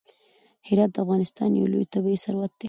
هرات د افغانستان یو لوی طبعي ثروت دی.